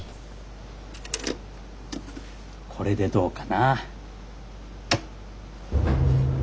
これでどうかな。